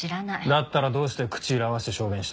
だったらどうして口裏合わせて証言した？